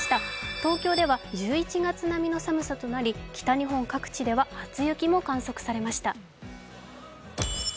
東京では１１月並みの寒さとなり、北日本各地では初雪も観測されました。